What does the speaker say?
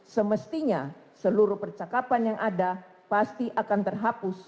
semestinya seluruh percakapan yang ada pasti akan terhapus